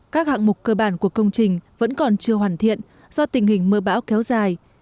các hạng mục cơ bản của công trình vẫn còn chưa hoàn thiện do tình hình mưa bão kéo dài